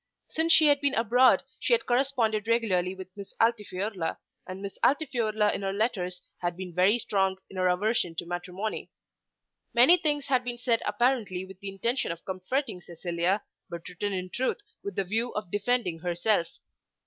Since she had been abroad she had corresponded regularly with Miss Altifiorla, and Miss Altifiorla in her letters had been very strong in her aversion to matrimony. Many things had been said apparently with the intention of comforting Cecilia, but written in truth with the view of defending herself.